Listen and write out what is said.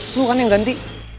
lo kan yang ganti